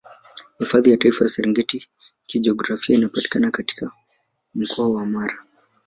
Hifadhi ya Taifa ya Serengeti Kijiografia inapatikana katika Mkoa wa Mara